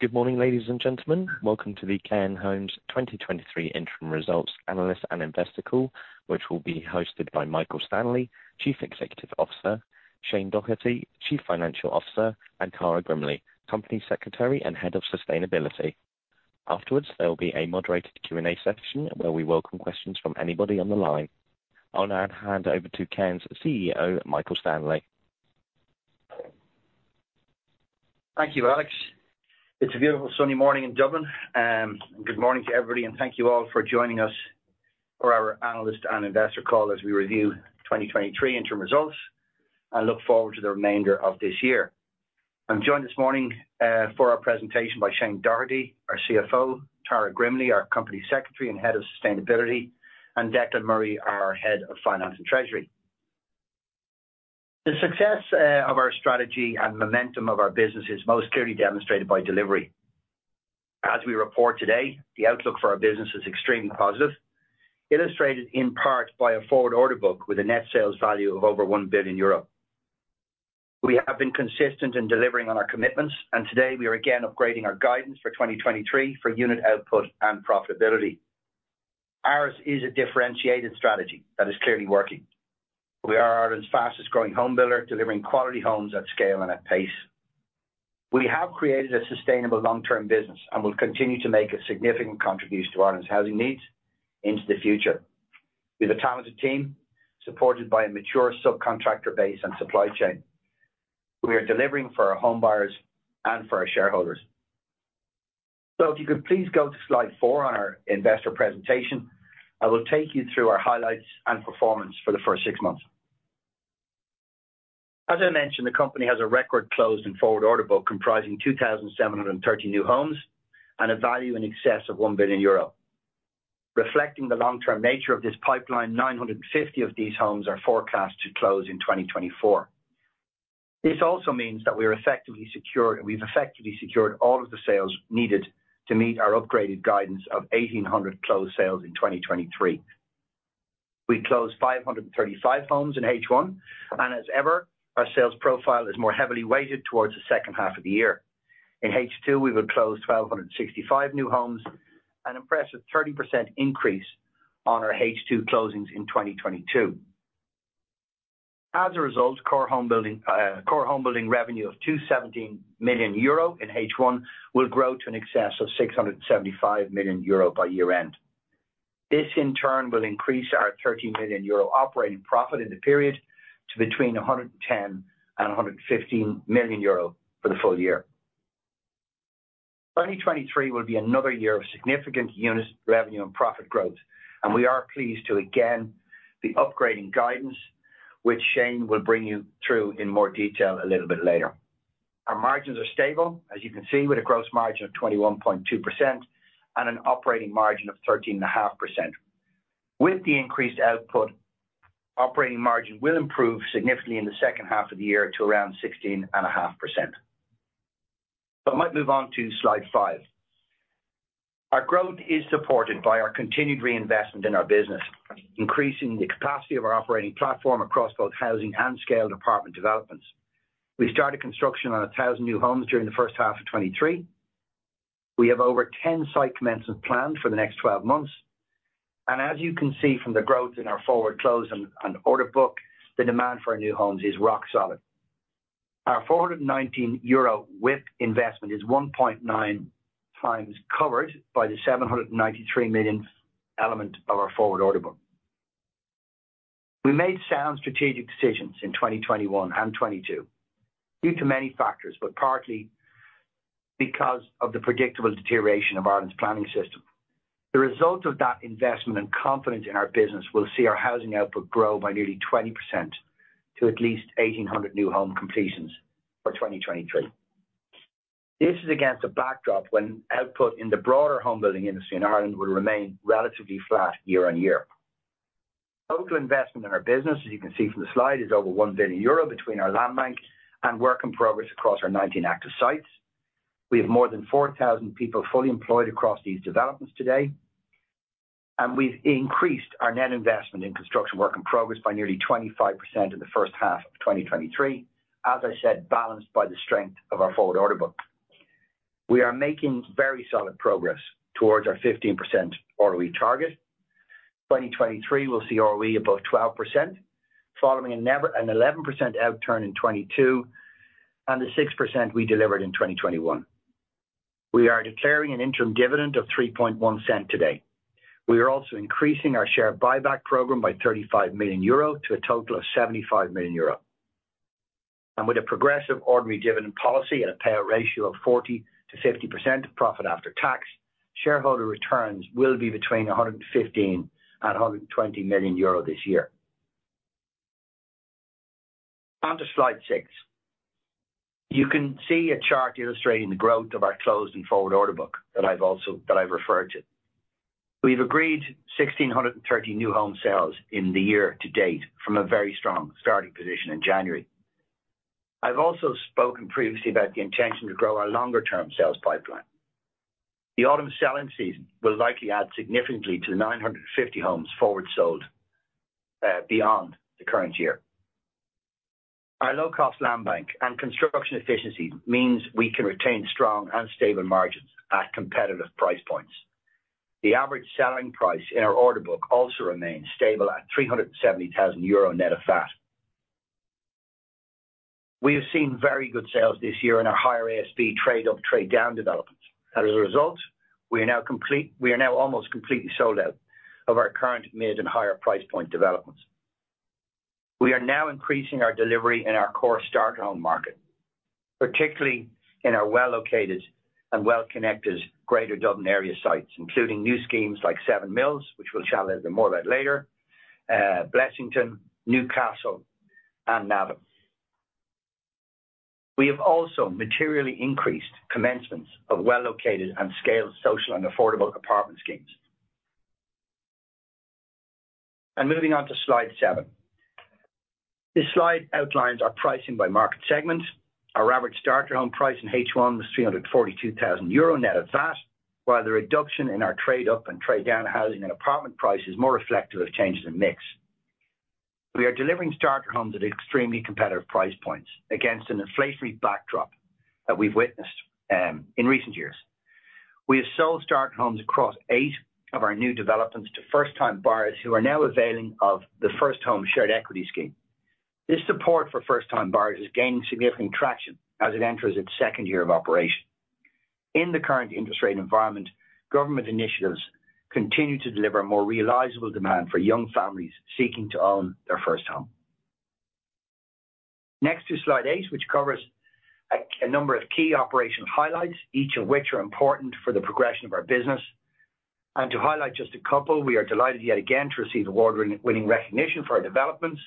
Good morning, ladies and gentlemen. Welcome to the Cairn Homes 2023 Interim Results Analyst and Investor Call, which will be hosted by Michael Stanley, Chief Executive Officer, Shane Doherty, Chief Financial Officer, and Tara Grimley, Company Secretary and Head of Sustainability. Afterwards, there will be a moderated Q&A session where we welcome questions from anybody on the line. I'll now hand over to Cairn's CEO, Michael Stanley. Thank you, Alex. It's a beautiful sunny morning in Dublin. Good morning to everybody, and thank you all for joining us for our analyst and investor call as we review 2023 interim results and look forward to the remainder of this year. I'm joined this morning for our presentation by Shane Doherty, our CFO, Tara Grimley, our Company Secretary and Head of Sustainability, and Declan Murray, our Head of Finance and Treasury. The success of our strategy and momentum of our business is most clearly demonstrated by delivery. As we report today, the outlook for our business is extremely positive, illustrated in part by a forward order book with a net sales value of over 1 billion euro. We have been consistent in delivering on our commitments, and today we are again upgrading our guidance for 2023 for unit output and profitability. Ours is a differentiated strategy that is clearly working. We are Ireland's fastest growing home builder, delivering quality homes at scale and at pace. We have created a sustainable long-term business and will continue to make a significant contribution to Ireland's housing needs into the future. We have a talented team, supported by a mature subcontractor base and supply chain. We are delivering for our homebuyers and for our shareholders. So if you could please go to slide four on our investor presentation, I will take you through our highlights and performance for the first six months. As I mentioned, the company has a record closed and forward order book, comprising 2,730 new homes and a value in excess of 1 billion euro. Reflecting the long-term nature of this pipeline, 950 of these homes are forecast to close in 2024. This also means that we are effectively secured, and we've effectively secured all of the sales needed to meet our upgraded guidance of 1,800 closed sales in 2023. We closed 535 homes in H1, and as ever, our sales profile is more heavily weighted towards the second half of the year. In H2, we will close 1,265 new homes, an impressive 30% increase on our H2 closings in 2022. As a result, core home building revenue of 217 million euro in H1 will grow to in excess of 675 million euro by year-end. This, in turn, will increase our 13 million euro operating profit in the period to between 110 million and 115 million euro for the full year. 2023 will be another year of significant unit revenue and profit growth, and we are pleased to again be upgrading guidance, which Shane will bring you through in more detail a little bit later. Our margins are stable, as you can see, with a gross margin of 21.2% and an operating margin of 13.5%. With the increased output, operating margin will improve significantly in the second half of the year to around 16.5%. So I might move on to slide five. Our growth is supported by our continued reinvestment in our business, increasing the capacity of our operating platform across both housing and scaled apartment developments. We started construction on 1,000 new homes during the first half of 2023. We have over 10 site commencements planned for the next 12 months, and as you can see from the growth in our forward close and order book, the demand for our new homes is rock solid. Our 419 euro WIP investment is 1.9x covered by the 793 million element of our forward order book. We made sound strategic decisions in 2021 and 2022 due to many factors, but partly because of the predictable deterioration of Ireland's planning system. The result of that investment and confidence in our business will see our housing output grow by nearly 20% to at least 1,800 new home completions for 2023. This is against a backdrop when output in the broader home building industry in Ireland will remain relatively flat year-on-year. Total investment in our business, as you can see from the slide, is over 1 billion euro between our land bank and work in progress across our 19 active sites. We have more than 4,000 people fully employed across these developments today, and we've increased our net investment in construction work in progress by nearly 25% in the first half of 2023. As I said, balanced by the strength of our forward order book. We are making very solid progress towards our 15% ROE target. 2023 will see ROE above 12%, following an 11% outturn in 2022 and the 6% we delivered in 2021. We are declaring an interim dividend of 0.031 today. We are also increasing our share buyback program by 35 million euro, to a total of 75 million euro. With a progressive ordinary dividend policy and a payout ratio of 40%-50% of profit after tax, shareholder returns will be between 115 million and 120 million euro this year. Onto slide six. You can see a chart illustrating the growth of our closed and forward order book that I've referred to. We've agreed 1,630 new home sales in the year to date from a very strong starting position in January. I've also spoken previously about the intention to grow our longer-term sales pipeline. The autumn selling season will likely add significantly to the 950 homes forward sold beyond the current year. Our low-cost land bank and construction efficiency means we can retain strong and stable margins at competitive price points. The average selling price in our order book also remains stable at 370,000 euro net of VAT. We have seen very good sales this year in our higher ASP trade up, trade down developments, and as a result, we are now almost completely sold out of our current mid and higher price point developments. We are now increasing our delivery in our core starter home market, particularly in our well-located and well-connected greater Dublin area sites, including new schemes like Seven Mills, which we'll chat a little bit more about later, Blessington, Newcastle, and Navan. We have also materially increased commencements of well-located and scaled social and affordable apartment schemes. Moving on to slide seven. This slide outlines our pricing by market segment. Our average starter home price in H1 was 342,000 euro net of VAT, while the reduction in our trade up and trade down housing and apartment price is more reflective of changes in mix. We are delivering starter homes at extremely competitive price points against an inflationary backdrop that we've witnessed in recent years. We have sold starter homes across eight of our new developments to first-time buyers, who are now availing of the First Home Shared Equity scheme. This support for first-time buyers is gaining significant traction as it enters its second year of operation. In the current interest rate environment, government initiatives continue to deliver more realizable demand for young families seeking to own their first home. Next to slide eight, which covers a number of key operational highlights, each of which are important for the progression of our business. To highlight just a couple, we are delighted yet again to receive award-winning, winning recognition for our developments.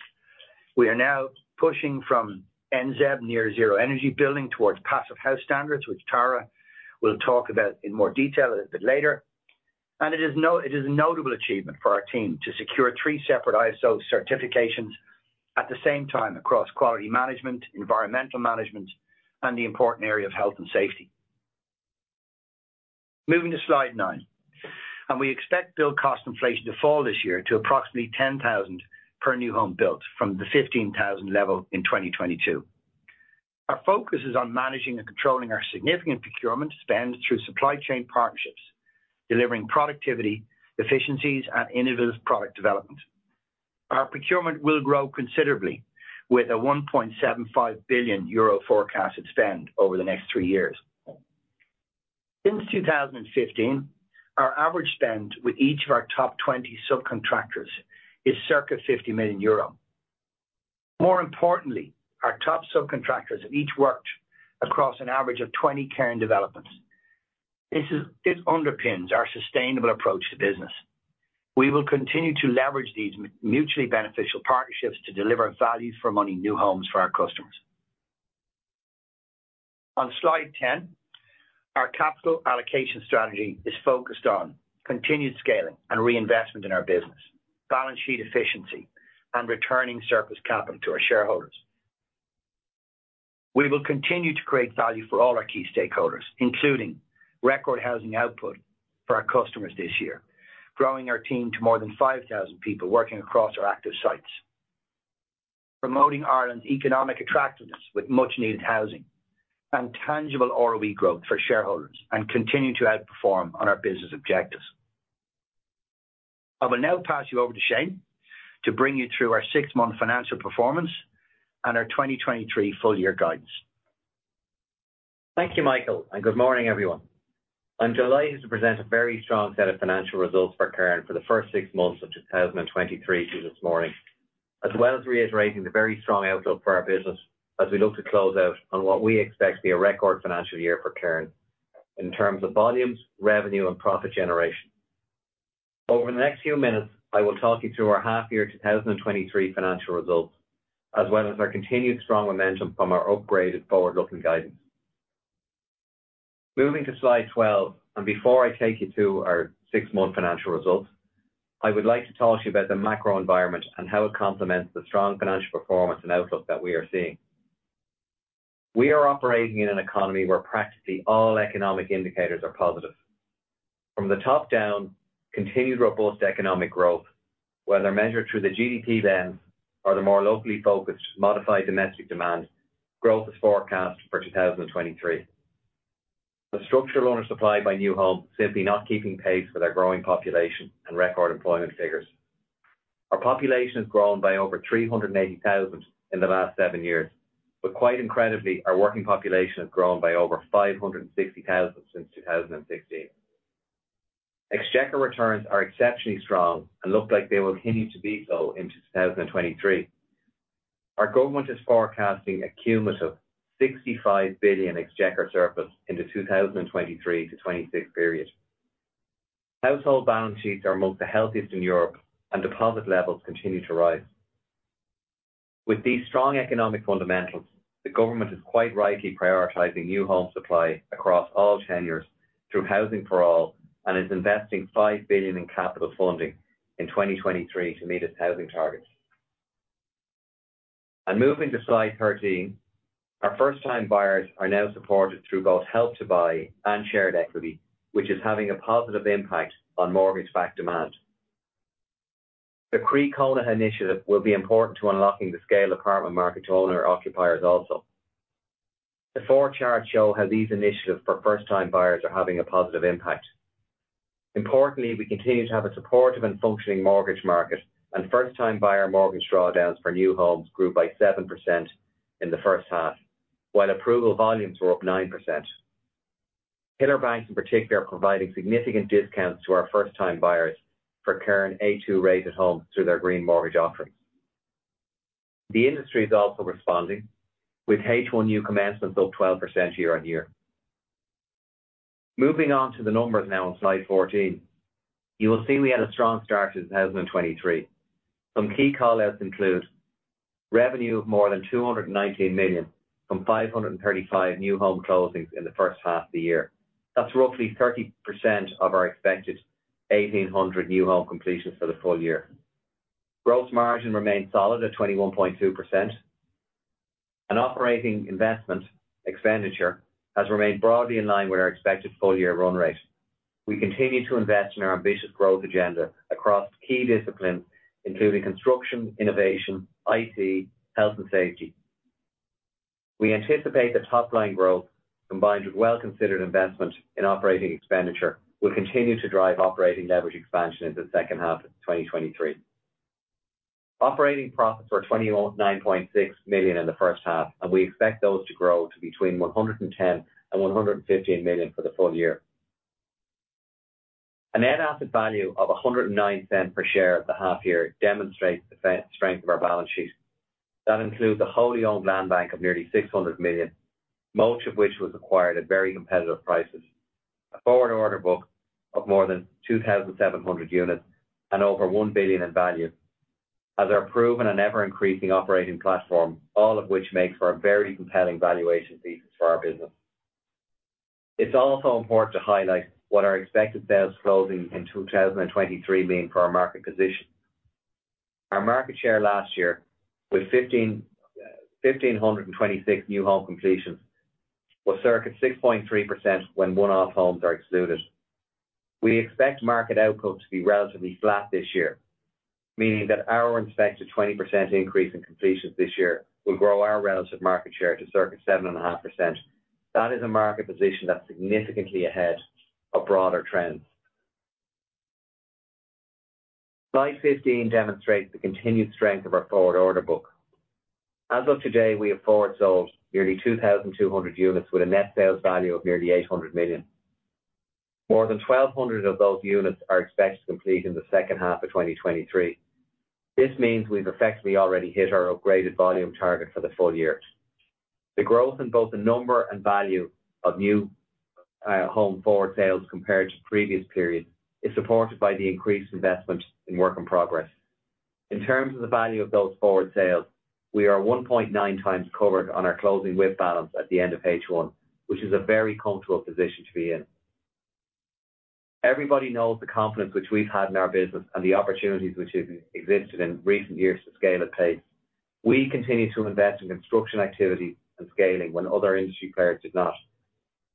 We are now pushing from NZEB, Near Zero Energy Building, towards Passive House standards, which Tara will talk about in more detail a little bit later. It is a notable achievement for our team to secure three separate ISO certifications at the same time across quality management, environmental management, and the important area of health and safety. Moving to slide nine, we expect build cost inflation to fall this year to approximately 10,000 per new home built from the 15,000 level in 2022. Our focus is on managing and controlling our significant procurement spend through supply chain partnerships, delivering productivity, efficiencies, and innovative product development. Our procurement will grow considerably with a 1.75 billion euro forecasted spend over the next three years. Since 2015, our average spend with each of our top 20 subcontractors is circa 50 million euro. More importantly, our top subcontractors have each worked across an average of 20 current developments. This it underpins our sustainable approach to business. We will continue to leverage these mutually beneficial partnerships to deliver value for money, new homes for our customers. On slide 10, our capital allocation strategy is focused on continued scaling and reinvestment in our business, balance sheet efficiency, and returning surplus capital to our shareholders. We will continue to create value for all our key stakeholders, including record housing output for our customers this year, growing our team to more than 5,000 people working across our active sites, promoting Ireland's economic attractiveness with much needed housing and tangible ROE growth for shareholders and continuing to outperform on our business objectives. I will now pass you over to Shane to bring you through our six-month financial performance and our 2023 full year guidance. Thank you, Michael, and good morning, everyone. I'm delighted to present a very strong set of financial results for Cairn for the first six months of 2023 this morning, as well as reiterating the very strong outlook for our business as we look to close out on what we expect to be a record financial year for Cairn in terms of volumes, revenue, and profit generation. Over the next few minutes, I will talk you through our half year 2023 financial results, as well as our continued strong momentum from our upgraded forward-looking guidance. Moving to slide 12, and before I take you to our six-month financial results, I would like to talk to you about the macro environment and how it complements the strong financial performance and outlook that we are seeing. We are operating in an economy where practically all economic indicators are positive. From the top down, continued robust economic growth, whether measured through the GDP lens or the more locally focused, Modified Domestic Demand, growth is forecast for 2023. The structural housing supply of new homes simply not keeping pace with our growing population and record employment figures. Our population has grown by over 380,000 in the last seven years, but quite incredibly, our working population has grown by over 560,000 since 2016. Exchequer returns are exceptionally strong and look like they will continue to be so into 2023. Our government is forecasting a cumulative 65 billion Exchequer surplus into 2023-2026 period. Household balance sheets are among the healthiest in Europe, and deposit levels continue to rise. With these strong economic fundamentals, the government is quite rightly prioritizing new home supply across all tenures through Housing for All, and is investing 5 billion in capital funding in 2023 to meet its housing targets. Moving to slide 13. Our first-time buyers are now supported through both Help to Buy and Shared Equity, which is having a positive impact on mortgage-backed demand. The Croí Cónaithe initiative will be important to unlocking the scale apartment market to owner-occupiers also. The four charts show how these initiatives for first-time buyers are having a positive impact. Importantly, we continue to have a supportive and functioning mortgage market, and first-time buyer mortgage drawdowns for new homes grew by 7% in the first half, while approval volumes were up 9%. Pillar banks in particular are providing significant discounts to our first-time buyers for current A2-rated homes through their Green Mortgage offerings. The industry is also responding, with H1 new commencements up 12% year-on-year. Moving on to the numbers now on slide 14, you will see we had a strong start to 2023. Some key call-outs include revenue of more than 219 million from 535 new home closings in the first half of the year. That's roughly 30% of our expected 1,800 new home completions for the full year. Gross margin remained solid at 21.2%, and operating investment expenditure has remained broadly in line with our expected full year run rate. We continue to invest in our ambitious growth agenda across key disciplines, including construction, innovation, IT, health, and safety. We anticipate that top-line growth, combined with well-considered investment in operating expenditure, will continue to drive operating leverage expansion into the second half of 2023. Operating profits were 29.6 million in the first half, and we expect those to grow to between 110 million and 115 million for the full year. A net asset value of 1.09 per share at the half year demonstrates the strength of our balance sheet. That includes a wholly owned land bank of nearly 600 million, most of which was acquired at very competitive prices, a forward order book of more than 2,700 units and over 1 billion in value, as our proven and ever-increasing operating platform, all of which makes for a very compelling valuation thesis for our business. It's also important to highlight what our expected sales closing in 2023 mean for our market position. Our market share last year, with 1,526 new home completions, was circa 6.3% when one-off homes are excluded. We expect market output to be relatively flat this year, meaning that our expected 20% increase in completions this year will grow our relative market share to circa 7.5%. That is a market position that's significantly ahead of broader trends. Slide 15 demonstrates the continued strength of our forward order book. As of today, we have forward sold nearly 2,200 units with a net sales value of nearly 800 million. More than 1,200 of those units are expected to complete in the second half of 2023. This means we've effectively already hit our upgraded volume target for the full year. The growth in both the number and value of new, home forward sales compared to the previous period, is supported by the increased investment in work in progress. In terms of the value of those forward sales, we are 1.9x covered on our closing WIP balance at the end of H1, which is a very comfortable position to be in. Everybody knows the confidence which we've had in our business and the opportunities which have existed in recent years to scale at pace. We continue to invest in construction activity and scaling when other industry players did not.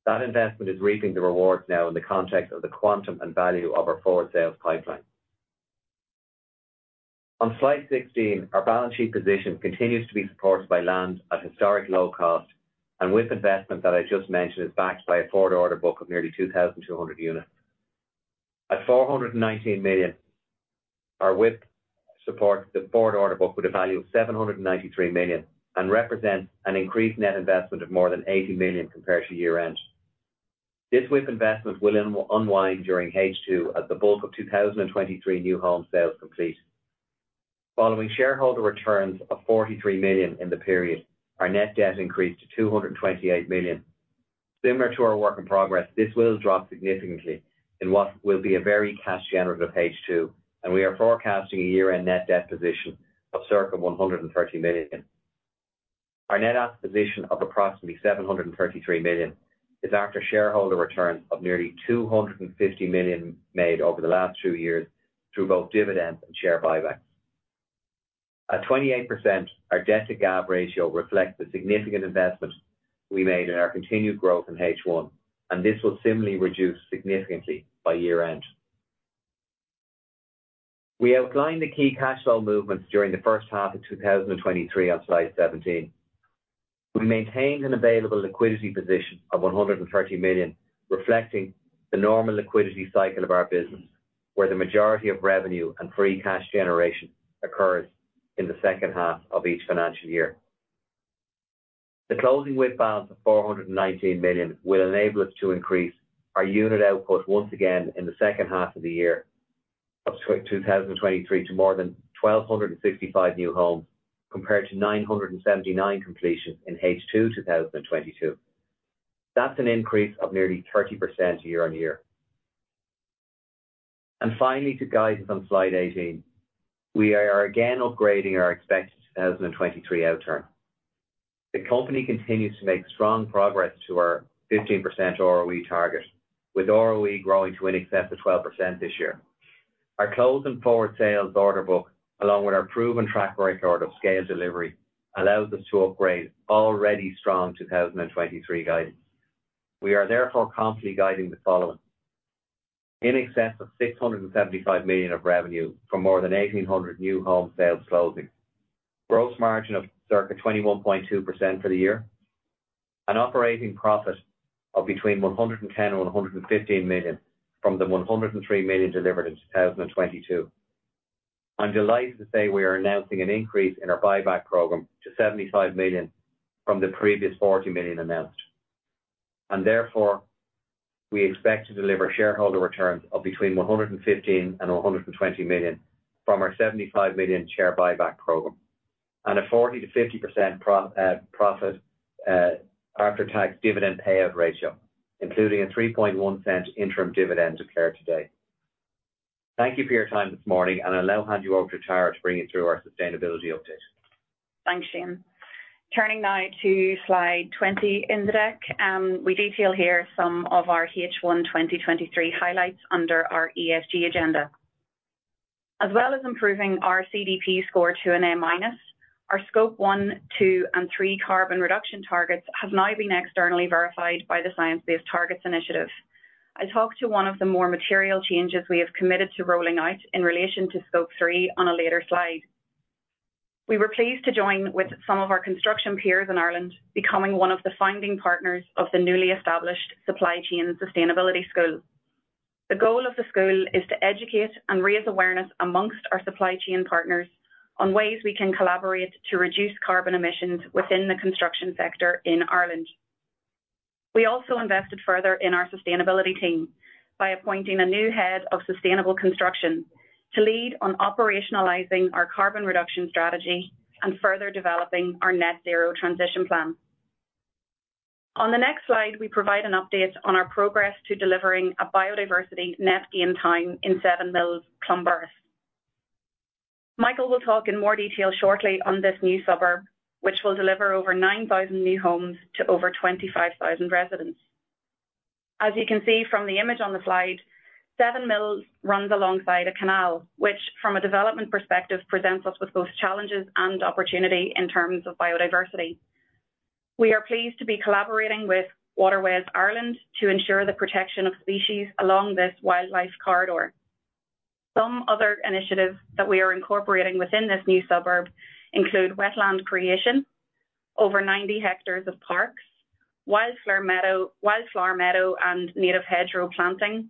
That investment is reaping the rewards now in the context of the quantum and value of our forward sales pipeline. On slide 16, our balance sheet position continues to be supported by land at historic low cost, and with investment that I just mentioned, is backed by a forward order book of nearly 2,200 units. At 419 million, our WIP supports the forward order book with a value of 793 million, and represents an increased net investment of more than 80 million compared to year-end. This WIP investment will unwind during H2 as the bulk of 2023 new home sales complete. Following shareholder returns of 43 million in the period, our net debt increased to 228 million. Similar to our work in progress, this will drop significantly in what will be a very cash generative H2, and we are forecasting a year-end net debt position of circa 130 million. Our net asset position of approximately 733 million is after shareholder returns of nearly 250 million made over the last two years through both dividends and share buybacks. At 28%, our debt to GAAP ratio reflects the significant investment we made in our continued growth in H1, and this will similarly reduce significantly by year-end. We outlined the key cash flow movements during the first half of 2023 on slide 17. We maintained an available liquidity position of 130 million, reflecting the normal liquidity cycle of our business, where the majority of revenue and free cash generation occurs in the second half of each financial year. The closing WIP balance of 419 million will enable us to increase our unit output once again in the second half of 2023, to more than 1,265 new homes, compared to 979 completions in H2 2022. That's an increase of nearly 30% year-on-year. And finally, to guidance on slide 18. We are again upgrading our expected 2023 outturn. The company continues to make strong progress to our 15% ROE target, with ROE growing to in excess of 12% this year. Our closing forward sales order book, along with our proven track record of scale delivery, allows us to upgrade already strong 2023 guidance. We are therefore confidently guiding the following: in excess of 675 million of revenue from more than 1,800 new home sales closing. Gross margin of circa 21.2% for the year. An operating profit of between 110 million and 115 million from the 103 million delivered in 2022. I'm delighted to say we are announcing an increase in our buyback program to 75 million from the previous 40 million announced. And therefore, we expect to deliver shareholder returns of between 115 million and 120 million from our 75 million share buyback program, and a 40%-50% pro, profit, after-tax dividend payout ratio, including a 0.031 interim dividend declared today. Thank you for your time this morning, and I'll now hand you over to Tara to bring you through our sustainability update. Thanks, Shane. Turning now to slide 20 in the deck, we detail here some of our H1 2023 highlights under our ESG agenda. As well as improving our CDP score to an A-, our Scope 1, 2, and 3 carbon reduction targets have now been externally verified by the Science Based Targets initiative. I talked to one of the more material changes we have committed to rolling out in relation to Scope 3 on a later slide. We were pleased to join with some of our construction peers in Ireland, becoming one of the founding partners of the newly established Supply Chain Sustainability School. The goal of the school is to educate and raise awareness among our supply chain partners on ways we can collaborate to reduce carbon emissions within the construction sector in Ireland. We also invested further in our sustainability team by appointing a new head of sustainable construction to lead on operationalizing our carbon reduction strategy and further developing our net zero transition plan. On the next slide, we provide an update on our progress to delivering a Biodiversity Net Gain town in Seven Mills, Clonburris. Michael will talk in more detail shortly on this new suburb, which will deliver over 9,000 new homes to over 25,000 residents. As you can see from the image on the slide, Seven Mills runs alongside a canal, which, from a development perspective, presents us with both challenges and opportunity in terms of biodiversity. We are pleased to be collaborating with Waterways Ireland to ensure the protection of species along this wildlife corridor. Some other initiatives that we are incorporating within this new suburb include wetland creation, over 90 hectares of parks, wild flower meadow, wildflower meadow, and native hedgerow planting,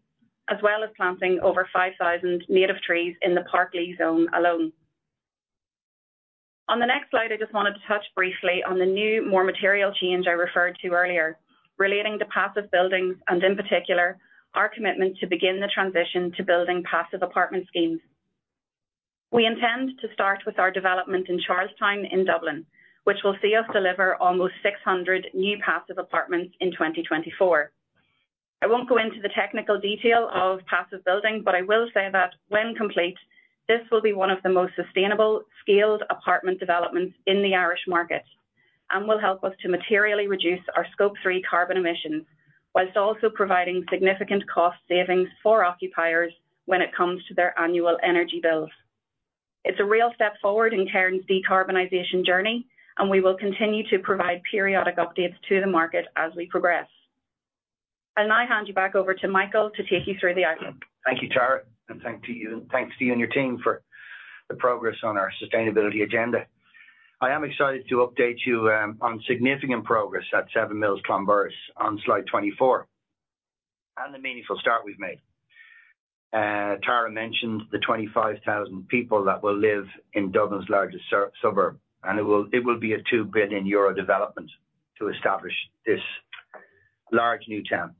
as well as planting over 5,000 native trees in the Parkleigh zone alone. On the next slide, I just wanted to touch briefly on the new, more material change I referred to earlier, relating to passive buildings, and in particular, our commitment to begin the transition to building passive apartment schemes. We intend to start with our development in Charlestown in Dublin, which will see us deliver almost 600 new passive apartments in 2024. I won't go into the technical detail of passive building, but I will say that when complete, this will be one of the most sustainable, scaled apartment developments in the Irish market and will help us to materially reduce our Scope 3 carbon emissions, while also providing significant cost savings for occupiers when it comes to their annual energy bills. It's a real step forward in Cairn's decarbonization journey, and we will continue to provide periodic updates to the market as we progress. I'll now hand you back over to Michael to take you throu gh the item. Thank you, Tara, and thanks to you and your team for the progress on our sustainability agenda. I am excited to update you on significant progress at Seven Mills, Clonburris, on slide 24, and the meaningful start we've made. Tara mentioned the 25,000 people that will live in Dublin's largest suburb, and it will be a 2 billion euro development to establish this large new town.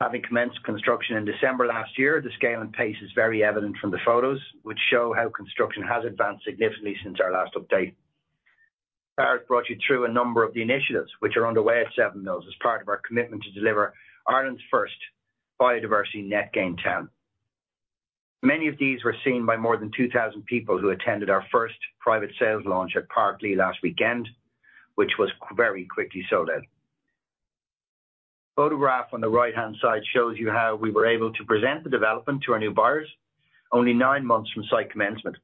Having commenced construction in December last year, the scale and pace is very evident from the photos, which show how construction has advanced significantly since our last update. Tara brought you through a number of the initiatives which are underway at Seven Mills as part of our commitment to deliver Ireland's first Biodiversity Net Gain town. Many of these were seen by more than 2,000 people who attended our first private sales launch at Parkleigh last weekend, which was very quickly sold out. Photograph on the right-hand side shows you how we were able to present the development to our new buyers only nine months from site commencement.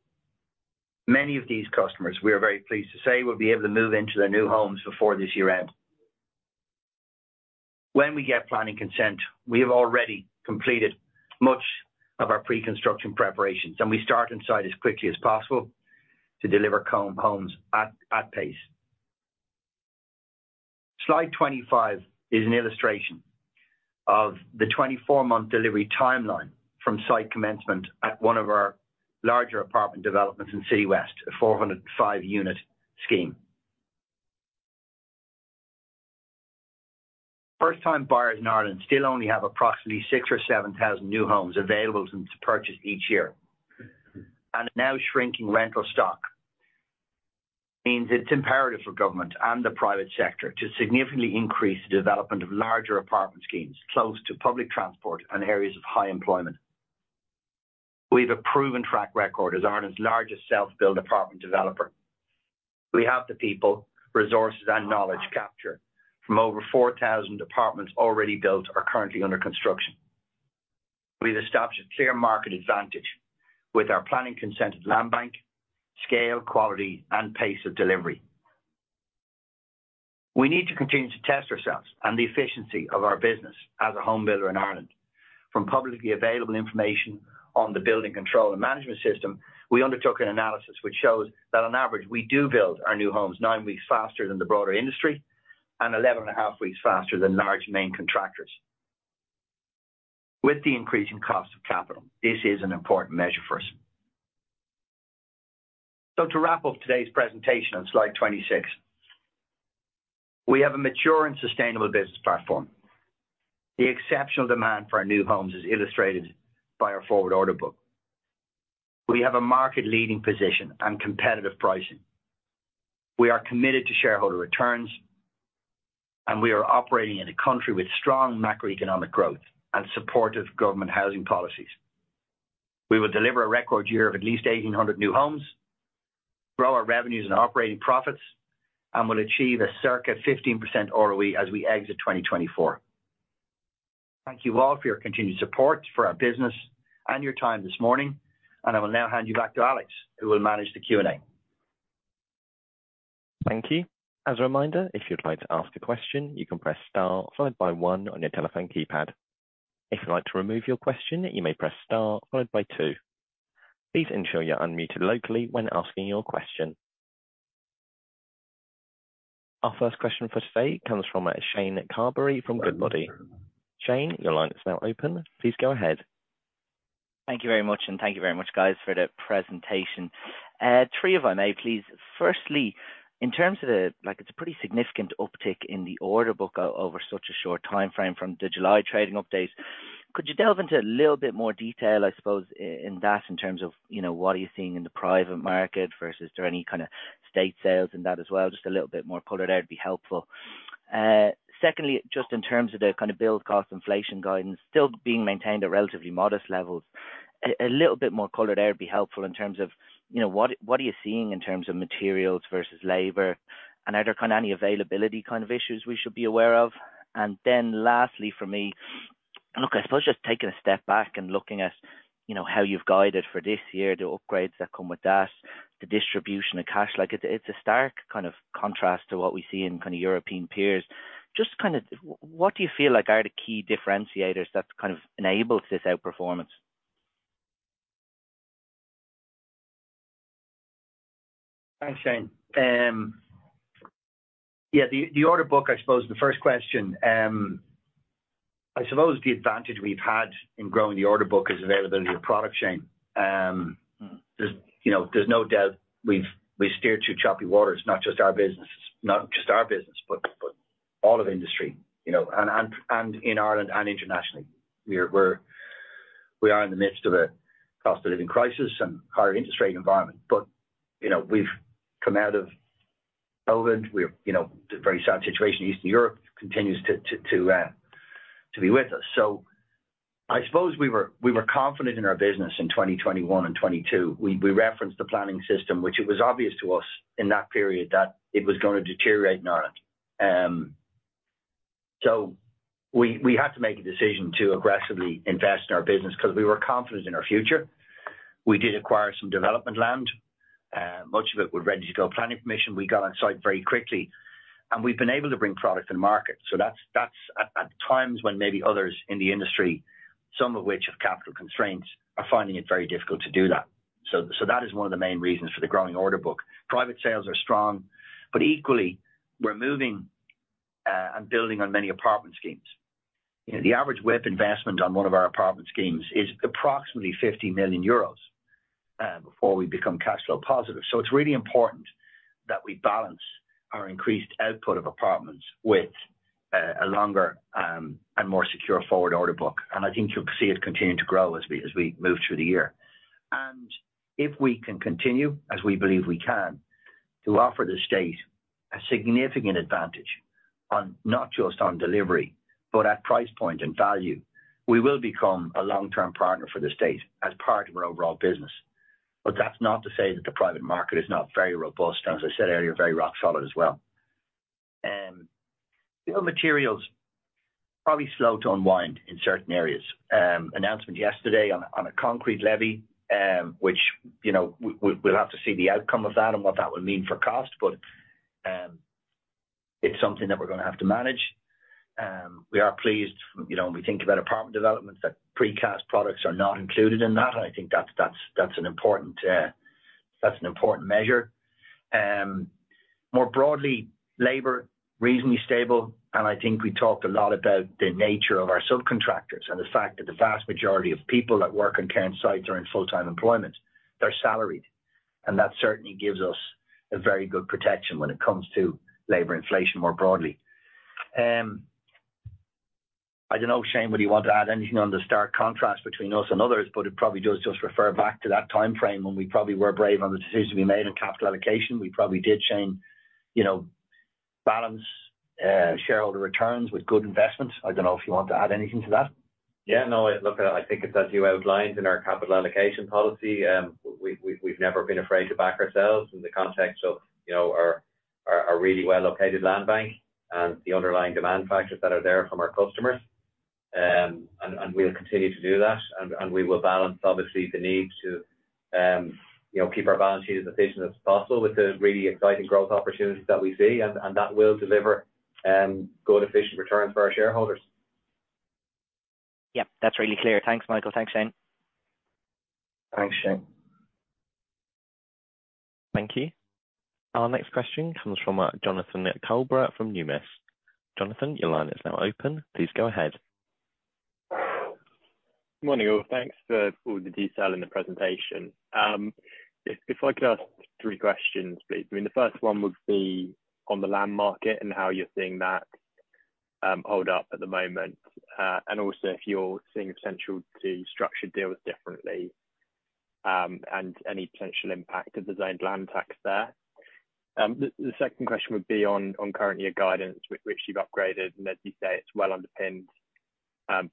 Many of these customers, we are very pleased to say, will be able to move into their new homes before this year end. When we get planning consent, we have already completed much of our pre-construction preparations, and we start on site as quickly as possible to deliver homes at pace. Slide 25 is an illustration of the 24-month delivery timeline from site commencement at one of our larger apartment developments in Citywest, a 405-unit scheme. First-time buyers in Ireland still only have approximately 6,000 or 7,000 new homes available to purchase each year. Now shrinking rental stock means it's imperative for government and the private sector to significantly increase the development of larger apartment schemes close to public transport and areas of high employment. We've a proven track record as Ireland's largest self-build apartment developer. We have the people, resources, and knowledge capture from over 4,000 apartments already built or currently under construction. We've established a clear market advantage with our planning consented land bank, scale, quality, and pace of delivery. We need to continue to test ourselves and the efficiency of our business as a home builder in Ireland. From publicly available information on the Building Control Management System, we undertook an analysis which shows that on average, we do build our new homes nine weeks faster than the broader industry and 11.5 weeks faster than large main contractors. With the increase in cost of capital, this is an important measure for us. So to wrap up today's presentation on slide 26, we have a mature and sustainable business platform. The exceptional demand for our new homes is illustrated by our forward order book. We have a market-leading position and competitive pricing. We are committed to shareholder returns, and we are operating in a country with strong macroeconomic growth and supportive government housing policies. We will deliver a record year of at least 1,800 new homes, grow our revenues and operating profits, and will achieve a circa 15% ROE as we exit 2024. Thank you all for your continued support for our business and your time this morning, and I will now hand you back to Alex, who will manage the Q&A. Thank you. As a reminder, if you'd like to ask a question, you can press star followed by one on your telephone keypad. If you'd like to remove your question, you may press star followed by two. Please ensure you're unmuted locally when asking your question. Our first question for today comes from Shane Carberry from Goodbody. Shane, your line is now open. Please go ahead. Thank you very much, and thank you very much, guys, for the presentation. Three, if I may, please. Firstly, in terms of the, like, it's a pretty significant uptick in the order book over such a short timeframe from the July trading update. Could you delve into a little bit more detail, I suppose, in that, in terms of, you know, what are you seeing in the private market, versus there any kind of state sales in that as well? Just a little bit more color there would be helpful. Secondly, just in terms of the kind of build cost inflation guidance still being maintained at relatively modest levels, a little bit more color there would be helpful in terms of, you know, what, what are you seeing in terms of materials versus labor? Are there kind of any availability kind of issues we should be aware of? Then lastly, for me, look, I suppose just taking a step back and looking at, you know, how you've guided for this year, the upgrades that come with that, the distribution of cash, like it's, it's a stark kind of contrast to what we see in kind of European peers. Just kind of what do you feel like are the key differentiators that's kind of enabled this outperformance? Thanks, Shane. Yeah, the order book, I suppose the first question, I suppose the advantage we've had in growing the order book is availability of product, Shane. Mm. There's, you know, there's no doubt we've, we've steered through choppy waters, not just our business, not just our business, but, but all of industry, you know, and, and, and in Ireland and internationally. We're, we are in the midst of a cost of living crisis and higher interest rate environment. But, you know, we've come out of COVID. We've, you know, the very sad situation in Eastern Europe continues to be with us. So I suppose we were, we were confident in our business in 2021 and 2022. We, we referenced the planning system, which it was obvious to us in that period that it was going to deteriorate in Ireland. So we, we had to make a decision to aggressively invest in our business because we were confident in our future. We did acquire some development land, much of it with ready-to-go planning permission. We got on site very quickly, and we've been able to bring product to market. So that's at times when maybe others in the industry, some of which have capital constraints, are finding it very difficult to do that. So that is one of the main reasons for the growing order book. Private sales are strong, but equally, we're moving and building on many apartment schemes. You know, the average WIP investment on one of our apartment schemes is approximately 50 million euros before we become cash flow positive. So it's really important that we balance our increased output of apartments with a longer and more secure forward order book. And I think you'll see it continuing to grow as we move through the year. And if we can continue, as we believe we can, to offer the state a significant advantage not just on delivery, but at price point and value, we will become a long-term partner for the state as part of our overall business. But that's not to say that the private market is not very robust, and as I said earlier, very rock solid as well. Building materials, probably slow to unwind in certain areas. Announcement yesterday on a concrete levy, which, you know, we'll have to see the outcome of that and what that will mean for cost. But it's something that we're going to have to manage. We are pleased, you know, when we think about apartment developments, that precast products are not included in that, and I think that's an important measure. More broadly, labor, reasonably stable, and I think we talked a lot about the nature of our subcontractors and the fact that the vast majority of people that work on Cairn sites are in full-time employment. They're salaried, and that certainly gives us a very good protection when it comes to labor inflation more broadly. I don't know, Shane, whether you want to add anything on the stark contrast between us and others, but it probably does just refer back to that time frame when we probably were brave on the decisions we made on capital allocation. We probably did, Shane, you know, balance, shareholder returns with good investments. I don't know if you want to add anything to that. Yeah, no, look, I think it's as you outlined in our capital allocation policy. We've never been afraid to back ourselves in the context of, you know, our-... are really well located land bank and the underlying demand factors that are there from our customers. And we'll continue to do that, and we will balance obviously the need to, you know, keep our balance sheet as efficient as possible with the really exciting growth opportunities that we see, and that will deliver good, efficient returns for our shareholders. Yep, that's really clear. Thanks, Michael. Thanks, Shane. Thanks, Shane. Thank you. Our next question comes from Jonathan Coubrough from Numis. Jonathan, your line is now open. Please go ahead. Morning, all. Thanks for all the detail in the presentation. If I could ask three questions, please. I mean, the first one would be on the land market and how you're seeing that hold up at the moment. And also if you're seeing potential to structure deals differently, and any potential impact of the Zoned Land Tax there. The second question would be on currently your guidance, which you've upgraded, and as you say, it's well underpinned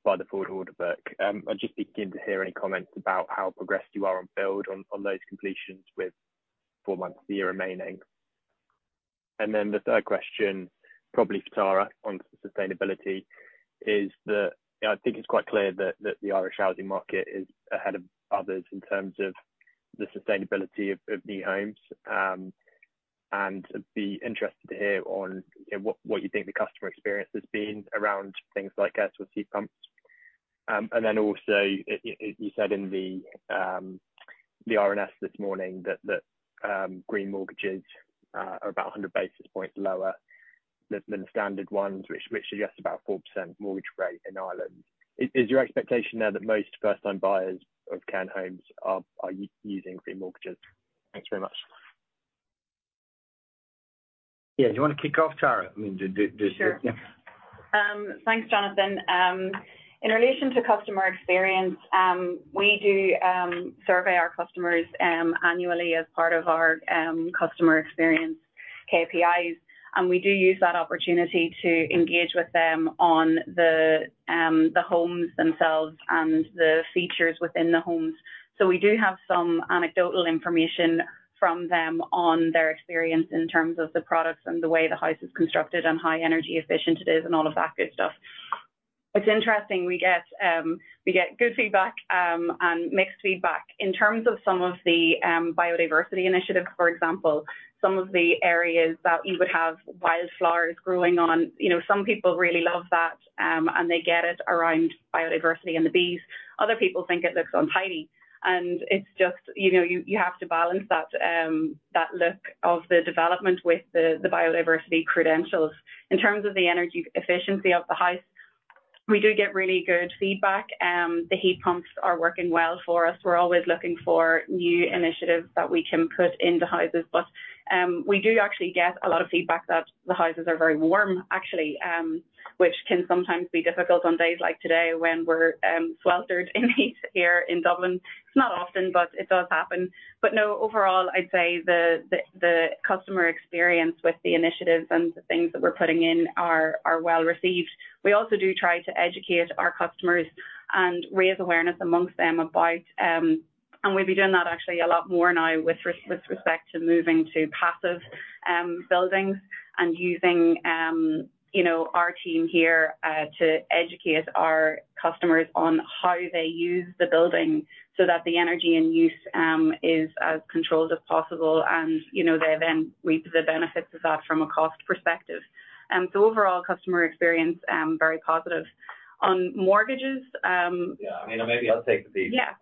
by the forward order book. I'd just be keen to hear any comments about how progressed you are on build on those completions with four months of the year remaining. And then the third question, probably for Tara, on sustainability, is the... I think it's quite clear that the Irish housing market is ahead of others in terms of the sustainability of new homes. And I'd be interested to hear on, you know, what you think the customer experience has been around things like air source heat pumps. And then also, you said in the RNS this morning that the Green mortgages are about 100 basis points lower than the standard ones, which are just about 4% mortgage rate in Ireland. Is your expectation now that most first-time buyers of Cairn Homes are using Green mortgages? Thanks very much. Yeah, do you want to kick off, Tara? I mean, do- Sure. Yeah. Thanks, Jonathan. In relation to customer experience, we do survey our customers annually as part of our customer experience KPIs, and we do use that opportunity to engage with them on the homes themselves and the features within the homes. So we do have some anecdotal information from them on their experience in terms of the products and the way the house is constructed and how energy efficient it is and all of that good stuff. It's interesting, we get good feedback and mixed feedback. In terms of some of the biodiversity initiatives, for example, some of the areas that you would have wildflowers growing on, you know, some people really love that, and they get it around biodiversity and the bees. Other people think it looks untidy, and it's just, you know, you have to balance that look of the development with the biodiversity credentials. In terms of the energy efficiency of the house, we do get really good feedback. The heat pumps are working well for us. We're always looking for new initiatives that we can put in the houses, but we do actually get a lot of feedback that the houses are very warm, actually, which can sometimes be difficult on days like today when we're sweltered in heat here in Dublin. It's not often, but it does happen. But no, overall, I'd say the customer experience with the initiatives and the things that we're putting in are well received. We also do try to educate our customers and raise awareness among them about... We'll be doing that actually a lot more now with respect to moving to passive buildings and using, you know, our team here to educate our customers on how they use the building so that the energy and use is as controlled as possible, and, you know, they then reap the benefits of that from a cost perspective. Overall, customer experience very positive. On mortgages, Yeah, I mean, maybe I'll take the lead- Yeah.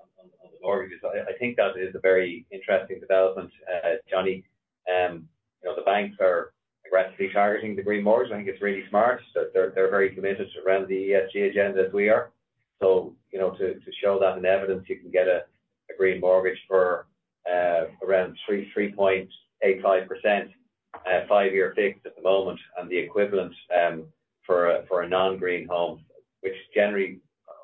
I think that is a very interesting development, Johnny. You know, the banks are aggressively targeting the Green Mortgage. I think it's really smart. They're very committed around the ESG agenda as we are. So, you know, to show that in evidence, you can get a Green Mortgage for around 3.85%, five-year fixed at the moment, and the equivalent for a non-green home, which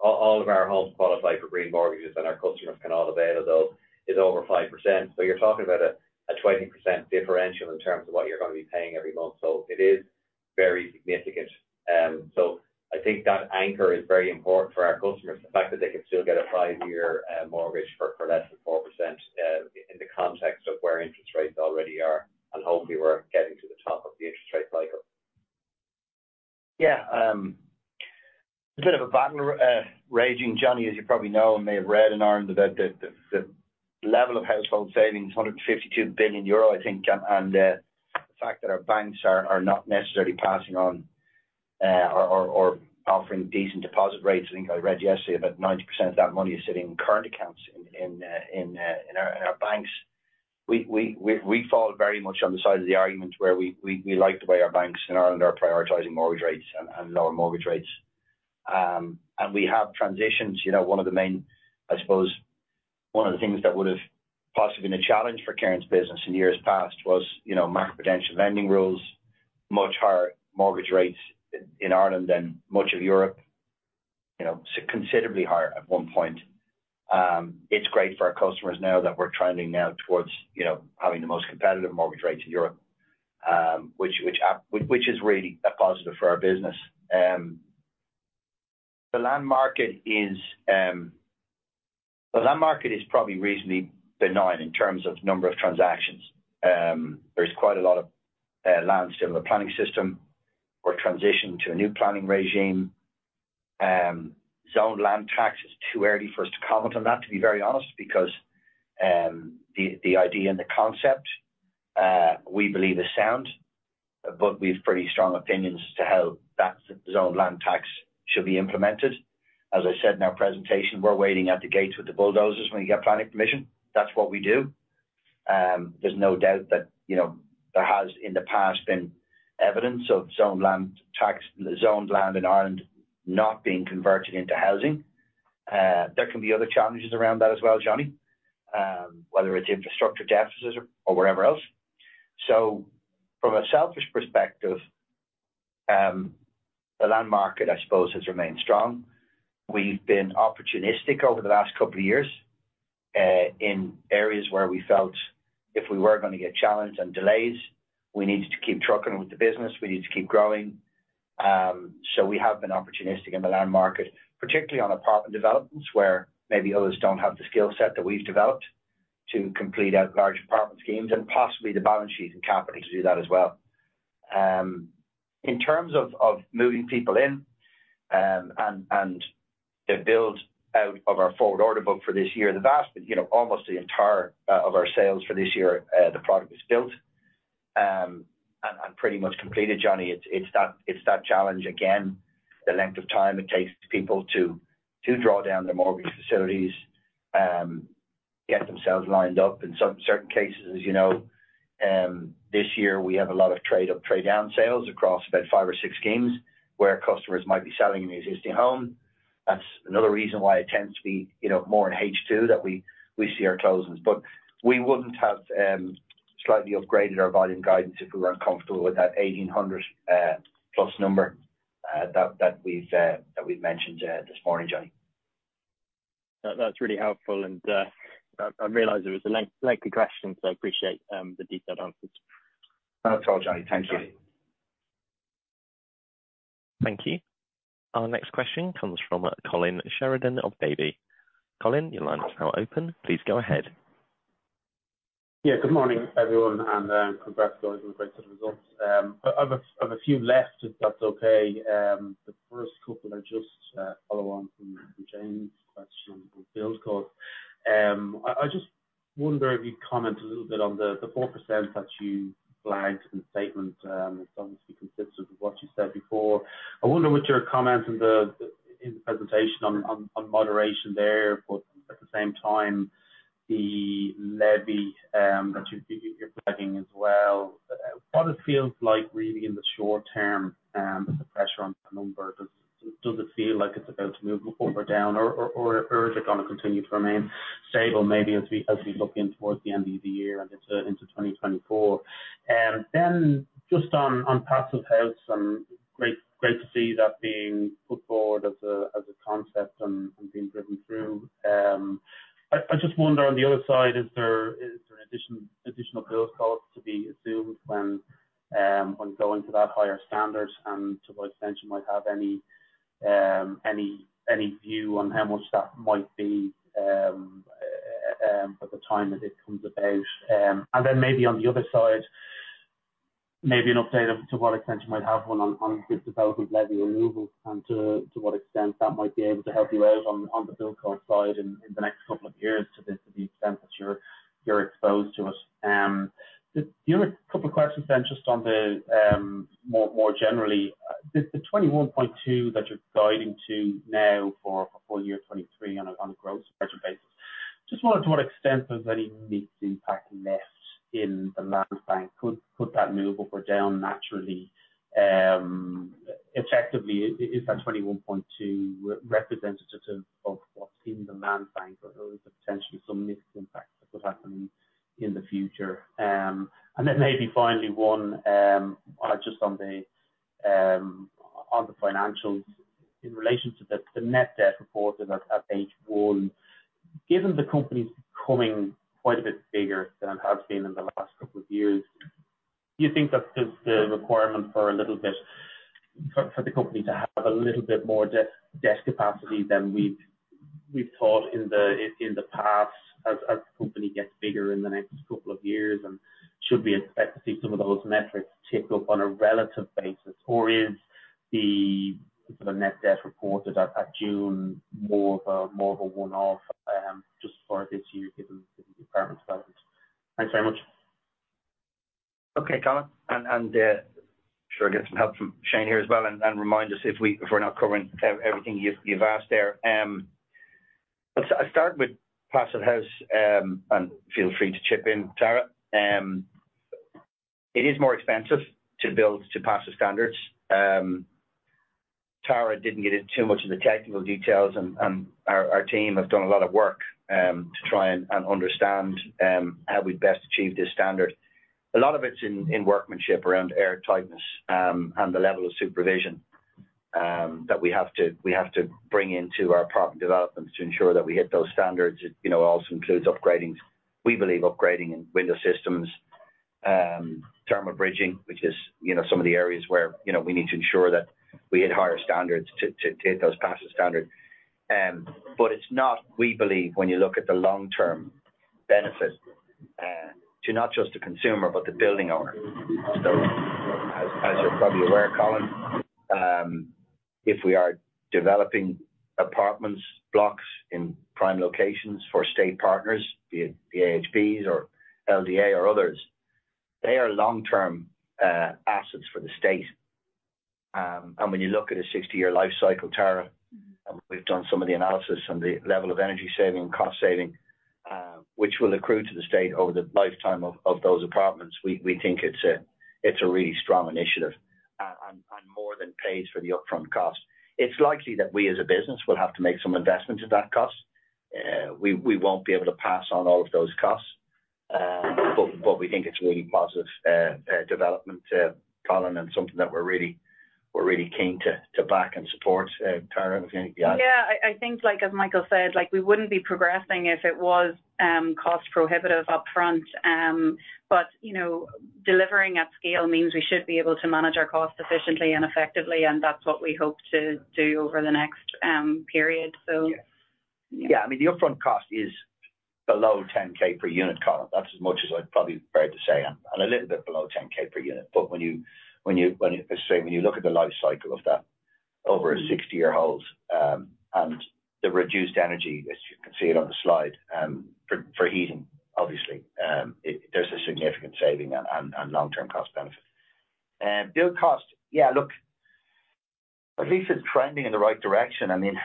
generally all of our homes qualify for Green Mortgages, and our customers can all avail of those, is over 5%. So you're talking about a 20% differential in terms of what you're going to be paying every month. So it is very significant. So I think that anchor is very important for our customers. The fact that they can still get a five-year mortgage for less than 4%, in the context of where interest rates already are, and hopefully we're getting to the top of the interest rate cycle. Yeah, a bit of a battle raging, Johnny, as you probably know and may have read in Ireland, about the level of household savings, 552 billion euro, I think, and the fact that our banks are not necessarily passing on or offering decent deposit rates. I think I read yesterday about 90% of that money is sitting in current accounts in our banks. We fall very much on the side of the argument where we like the way our banks in Ireland are prioritizing mortgage rates and lower mortgage rates. And we have transitions, you know, one of the main, I suppose, one of the things that would have possibly been a challenge for Cairn's business in years past was, you know, macroprudential lending rules, much higher mortgage rates in Ireland than much of Europe, you know, considerably higher at one point. It's great for our customers now that we're trending now towards, you know, having the most competitive mortgage rates in Europe, which is really a positive for our business. The land market is the land market is probably reasonably benign in terms of number of transactions. There's quite a lot of land still in the planning system. We're transitioning to a new planning regime. Zoned Land Tax is too early for us to comment on that, to be very honest, because the idea and the concept we believe is sound, but we've pretty strong opinions to how that Zoned Land Tax should be implemented. As I said in our presentation, we're waiting at the gates with the bulldozers when we get planning permission. That's what we do. There's no doubt that, you know, there has in the past been evidence of Zoned Land Tax, zoned land in Ireland not being converted into housing. There can be other challenges around that as well, Johnny. Whether it's infrastructure deficits or whatever else. So from a selfish perspective, the land market, I suppose, has remained strong. We've been opportunistic over the last couple of years, in areas where we felt if we were going to get challenged and delays, we needed to keep trucking with the business. We need to keep growing. So we have been opportunistic in the land market, particularly on apartment developments, where maybe others don't have the skill set that we've developed to complete out large apartment schemes and possibly the balance sheet and capital to do that as well. In terms of moving people in, and the build out of our forward order book for this year, the vast, you know, almost the entire, of our sales for this year, the product is built, and pretty much completed, Johnny. It's that challenge again, the length of time it takes people to draw down their mortgage facilities, get themselves lined up in certain cases, as you know. This year, we have a lot of trade-up, trade-down sales across about five or six schemes where customers might be selling an existing home. That's another reason why it tends to be, you know, more in H2 that we see our closings. But we wouldn't have slightly upgraded our volume guidance if we weren't comfortable with that 1,800+ number that we've mentioned this morning, Johnny. That's really helpful. And, I realize it was a lengthy question, so I appreciate the detailed answers. Not at all, Johnny. Thank you. Thank you. Our next question comes from Colin Sheridan of Davy. Colin, your line is now open. Please go ahead. Yeah, good morning, everyone, and congrats guys on a great set of results. I've a few left, if that's okay. The first couple are just follow on from Shane's question on build cost. I just wonder if you'd comment a little bit on the 4% that you flagged in the statement. It's obviously consistent with what you said before. I wonder what your comments in the presentation on moderation there, but at the same time, the levy that you're flagging as well. What it feels like reading in the short term, the pressure on the numbers, does it feel like it's about to move up or down or is it going to continue to remain stable maybe as we look in towards the end of the year and into 2024? And then just on Passive House, great to see that being put forward as a concept and being driven through. I just wonder on the other side, is there additional build costs to be assumed when going to that higher standard and to what extent you might have any view on how much that might be at the time that it comes about? And then maybe on the other side, maybe an update as to what extent you might have won on this development levy removal, and to what extent that might be able to help you out on the build cost side in the next couple of years, to the extent that you're exposed to it. The other couple of questions then, just on the more generally, the 21.2% that you're guiding to now for full year 2023 on a growth spread basis. Just wonder to what extent there's any mixed impact left in the land bank. Could that move up or down naturally? Effectively, is that 21.2% representative of what's in the land bank or is there potentially some mixed impact that could happen in the future? Then maybe finally, just on the financials in relation to the net debt reported at H1. Given the company's becoming quite a bit bigger than it has been in the last couple of years, do you think that's just the requirement for a little bit more debt capacity than we've thought in the past, as the company gets bigger in the next couple of years? And should we expect to see some of those metrics tick up on a relative basis, or is the sort of net debt reported at June more of a one-off, just for this year, given the requirements levels? Thanks very much. Okay, Colin, and sure I get some help from Shane here as well, and remind us if we're not covering everything you've asked there. I'll start with Passive House, and feel free to chip in, Tara. It is more expensive to build to Passive standards. Tara didn't get into too much of the technical details, and our team have done a lot of work to try and understand how we best achieve this standard. A lot of it's in workmanship around air tightness, and the level of supervision that we have to bring into our property developments to ensure that we hit those standards. It, you know, also includes upgrading, we believe, upgrading in window systems.... Thermal bridging, which is some of the areas where we need to ensure that we hit higher standards to hit those passive standards. But it's not, we believe, when you look at the long-term benefit to not just the consumer, but the building owner. So as you're probably aware, Colin, if we are developing apartments, blocks in prime locations for state partners, be it the AHBs or LDA or others, they are long-term assets for the state. And when you look at a 60-year life cycle, Tara, and we've done some of the analysis on the level of energy saving and cost saving, which will accrue to the state over the lifetime of those apartments, we think it's a really strong initiative, and more than pays for the upfront cost. It's likely that we, as a business, will have to make some investment in that cost. We won't be able to pass on all of those costs, but we think it's a really positive development, Colin, and something that we're really keen to back and support. Tara, have anything to add? Yeah, I think, like, as Michael said, like, we wouldn't be progressing if it was cost prohibitive upfront. But, you know, delivering at scale means we should be able to manage our costs efficiently and effectively, and that's what we hope to do over the next period. So- Yeah. Yeah, I mean, the upfront cost is below 10,000 per unit, Colin. That's as much as I'd probably be afraid to say, and a little bit below 10,000 per unit. But when you look at the life cycle of that over a 60-year hold, and the reduced energy, as you can see it on the slide, for heating, obviously, there's a significant saving and long-term cost benefit. Build cost, yeah, look, at least it's trending in the right direction. I mean,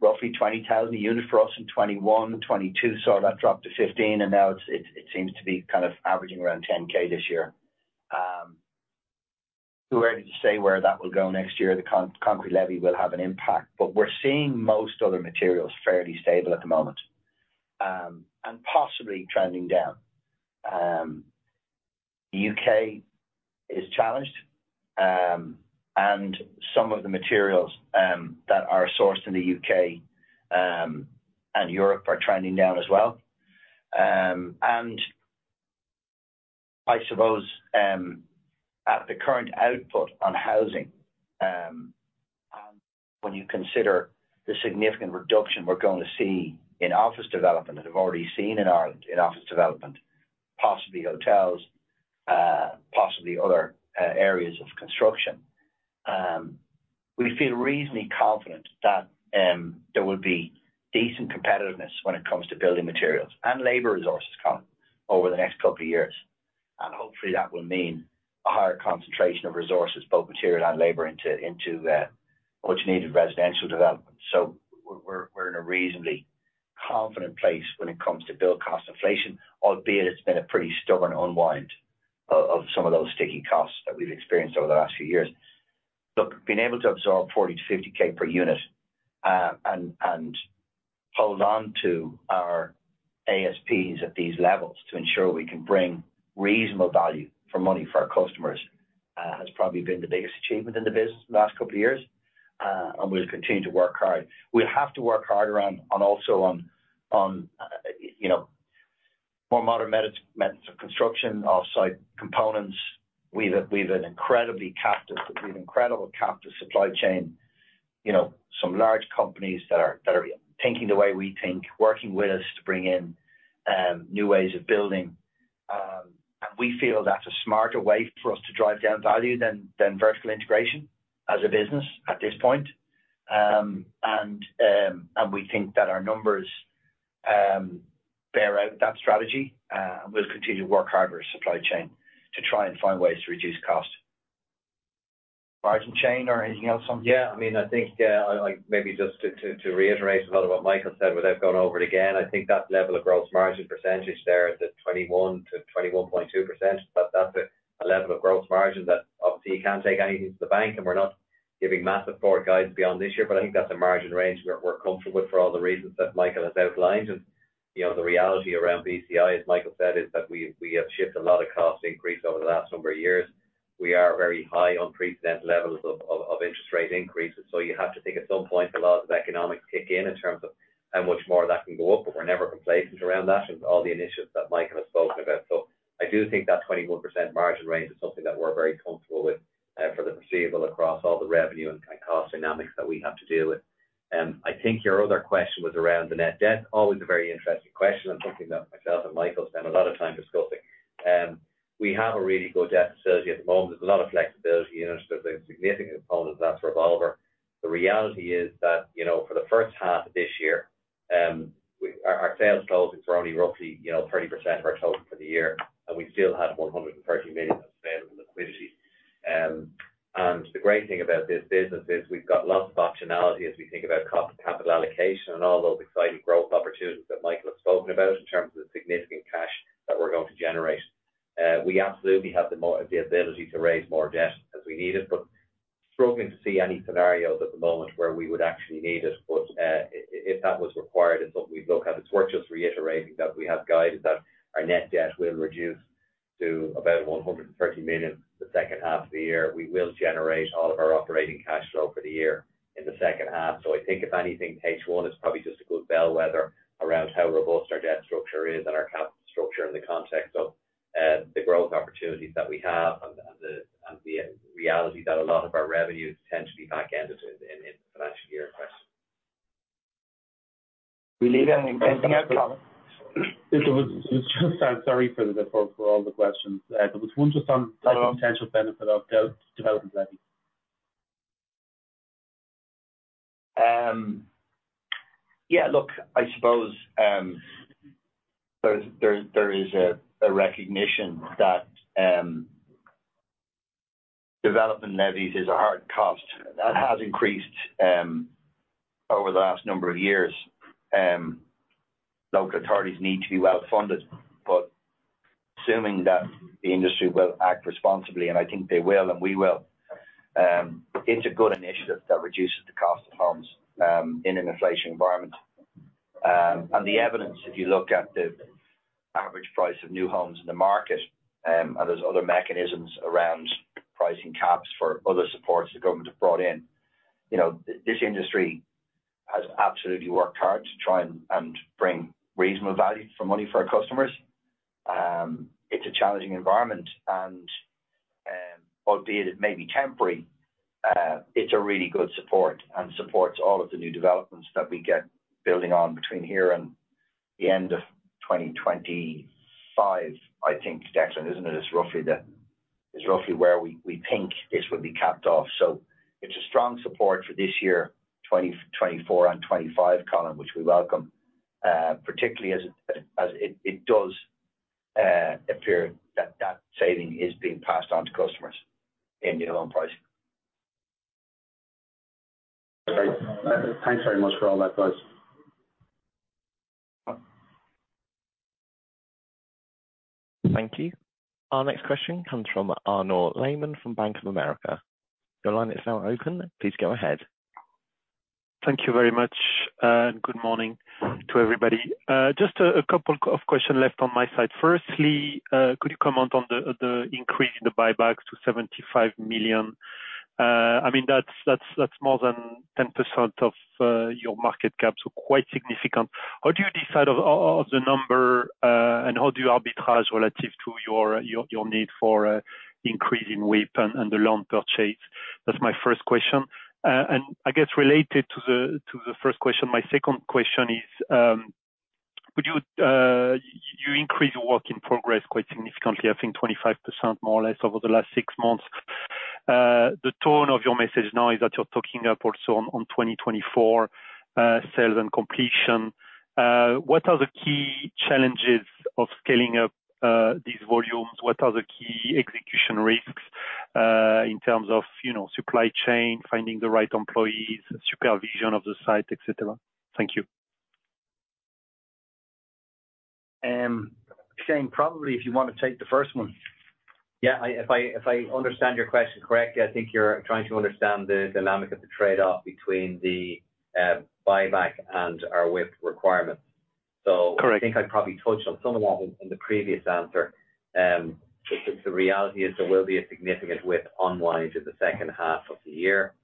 roughly 20,000 a unit for us in 2021 and 2022. Saw that drop to 15,000, and now it seems to be kind of averaging around 10,000 this year. Too early to say where that will go next year. The concrete levy will have an impact, but we're seeing most other materials fairly stable at the moment, and possibly trending down. U.K. is challenged, and some of the materials that are sourced in the U.K. and Europe are trending down as well. And I suppose, at the current output on housing, and when you consider the significant reduction we're going to see in office development, that we've already seen in Ireland in office development, possibly hotels, possibly other areas of construction, we feel reasonably confident that there will be decent competitiveness when it comes to building materials and labor resources, Colin, over the next couple of years. And hopefully that will mean a higher concentration of resources, both material and labor, into much needed residential development. We're in a reasonably confident place when it comes to build cost inflation, albeit it's been a pretty stubborn unwind of some of those sticky costs that we've experienced over the last few years. Look, being able to absorb 40,000-50,000 per unit and hold on to our ASPs at these levels to ensure we can bring reasonable value for money for our customers has probably been the biggest achievement in the business in the last couple of years. And we'll continue to work hard. We'll have to work harder on also on you know more modern methods of construction, offsite components. We've an incredible captive supply chain, you know, some large companies that are thinking the way we think, working with us to bring in new ways of building. And we feel that's a smarter way for us to drive down value than vertical integration as a business at this point. And we think that our numbers bear out that strategy, and we'll continue to work hard with our supply chain to try and find ways to reduce cost. Margin, Shane or anything else, Colin? Yeah, I mean, I think, like, maybe just to reiterate a lot of what Michael said, without going over it again, I think that level of gross margin percentage there at the 21%-21.2%, that's a level of gross margin that obviously you can't take anything to the bank, and we're not giving massive forward guidance beyond this year. But I think that's a margin range we're comfortable with for all the reasons that Michael has outlined. And, you know, the reality around BCI, as Michael said, is that we have shifted a lot of cost increase over the last number of years. We are very high on precedent levels of interest rate increases. So you have to think at some point, the laws of economics kick in, in terms of how much more that can go up, but we're never complacent around that and all the initiatives that Michael has spoken about. So I do think that 21% margin range is something that we're very comfortable with for the foreseeable across all the revenue and kind of cost dynamics that we have to deal with. I think your other question was around the net debt. Always a very interesting question and something that myself and Michael spend a lot of time discussing. We have a really good debt facility at the moment. There's a lot of flexibility. You know, there's a significant component of that revolver. The reality is that, you know, for the first half of this year, our sales closings were only roughly, you know, 30% of our total for the year, and we still had 130 million of sales in the liquidity. And the great thing about this business is we've got lots of optionality as we think about capital allocation and all those exciting growth opportunities that Michael has spoken about in terms of the significant cash that we're going to generate. We absolutely have the ability to raise more debt as we need it, but struggling to see any scenarios at the moment where we would actually need it. But, if that was required, it's something we'd look at. It's worth just reiterating that we have guided that our net debt will reduce to about 130 million the second half of the year. We will generate all of our operating cash flow for the year in the second half. So I think if anything, H1 is probably just a good bellwether around how robust our debt structure is and our capital structure in the context of-... the growth opportunities that we have and the reality that a lot of our revenues tend to be back-ended in the financial year question. We live and we think out loud. It was just, I'm sorry for all the questions. There was one just on the potential benefit of development levy. Yeah, look, I suppose, there is a recognition that development levies is a hard cost that has increased over the last number of years. Local authorities need to be well-funded, but assuming that the industry will act responsibly, and I think they will, and we will, it's a good initiative that reduces the cost of homes in an inflation environment. And the evidence, if you look at the average price of new homes in the market, and there's other mechanisms around pricing caps for other supports the government have brought in. You know, this industry has absolutely worked hard to try and bring reasonable value for money for our customers. It's a challenging environment and, albeit it may be temporary, it's a really good support and supports all of the new developments that we get building on between here and the end of 2025, I think, Declan, isn't it? It's roughly is roughly where we, we think this would be capped off. So it's a strong support for this year, 2024 and 2025, Colin, which we welcome, particularly as it, as it, it does, appear that that saving is being passed on to customers in new home pricing. Thanks very much for all that, guys. Thank you. Our next question comes from Arnaud Lehmann from Bank of America. Your line is now open. Please go ahead. Thank you very much, and good morning to everybody. Just a couple of questions left on my side. Firstly, could you comment on the increase in the buyback to 75 million? I mean, that's more than 10% of your market cap, so quite significant. How do you decide on the number, and how do you arbitrage relative to your need for increasing WIP and the loan purchase? That's my first question. And I guess related to the first question, my second question is, would you, you increased your work in progress quite significantly, I think 25% more or less over the last six months. The tone of your message now is that you're talking up also on 2024 sales and completion. What are the key challenges of scaling up these volumes? What are the key execution risks in terms of, you know, supply chain, finding the right employees, supervision of the site, et cetera? Thank you. Shane, probably, if you want to take the first one. Yeah, if I understand your question correctly, I think you're trying to understand the dynamic of the trade-off between the buyback and our WIP requirements. Correct. So I think I probably touched on some of that in, in the previous answer. But the reality is there will be a significant WIP unwind in the second half of the year,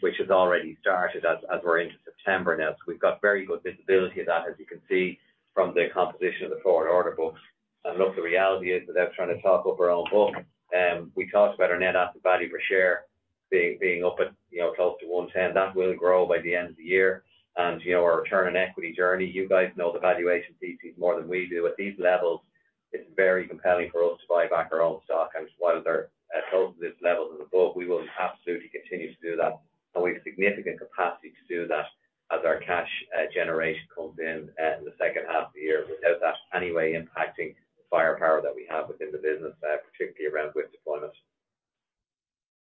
which has already started as, as we're into September now. So we've got very good visibility of that, as you can see from the composition of the forward order books. And look, the reality is without trying to talk up our own book, we talked about our net asset value per share being, being up at, you know, close to 1.10. That will grow by the end of the year. And, you know, our return on equity journey, you guys know the valuation pieces more than we do. At these levels, it's very compelling for us to buy back our own stock. While they're at positive levels of the book, we will absolutely continue to do that, and we have significant capacity to do that as our cash generation comes in in the second half of the year, without that anyway impacting the firepower that we have within the business, particularly around WIP deployment.